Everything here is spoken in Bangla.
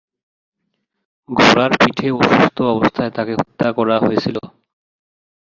ঘোড়ার পিঠে অসুস্থ অবস্থায় তাকে হত্যা করা হয়েছিল।